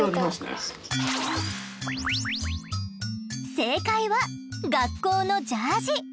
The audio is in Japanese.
正解は学校のジャージ！